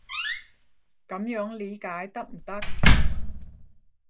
噉樣理解得唔得？